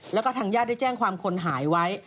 แล้วก็ทางญาติได้แจ้งความคนหายไว้